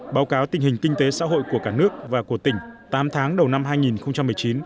báo cáo tình hình kinh tế xã hội của cả nước và của tỉnh tám tháng đầu năm hai nghìn một mươi chín